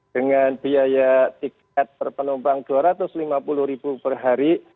dengan biaya tiket per penumpang rp dua ratus lima puluh ribu per hari